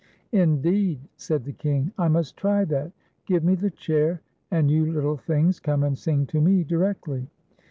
" Indeed !" said the King, " I must try that. Give me the chair, and you little things come and sing to me directly."